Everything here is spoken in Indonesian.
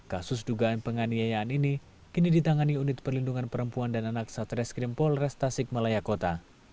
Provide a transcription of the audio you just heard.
kasus dugaan penganiayaan ini kini ditangani unit perlindungan perempuan dan anak satreskrim polres tasik malaya kota